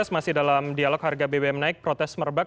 masih dalam dialog harga bbm naik protes merebak